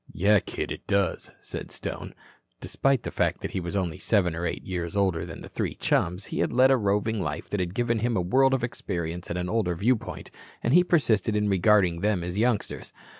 "Yes, kid, it does," said Stone. Despite the fact that he was only seven or eight years older than the three chums, he had led a roving life that had given him a world of experience and an older viewpoint, and he persisted in regarding them as youngsters.